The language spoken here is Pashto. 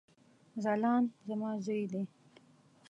ځلاند زما ځوي دی